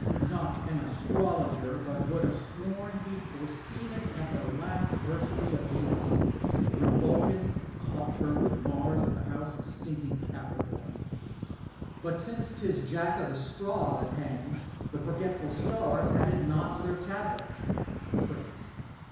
Not an astrologer, but would ha* sworn he'd foreseen it at the last versary of Venus, when Vulcan caught her with Mars in the house of stinking Cai>ncom. But since 'tis Jack of the Straw that hangs, the forgetful stars nad it not on their tablets. PRINCB.